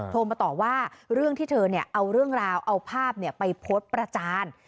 โทรมาต่อว่าเรื่องที่เธอเอาเรื่องราวเอาภาพไปโพสต์ประจาน